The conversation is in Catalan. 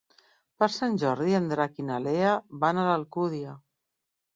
Per Sant Jordi en Drac i na Lea van a l'Alcúdia.